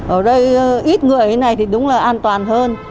ở đây ít người như này thì đúng là an toàn hơn